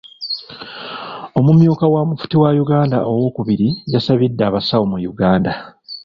Omumyuka wa Mufti wa Uganda owookubiri yasabidde abasawo mu Uganda.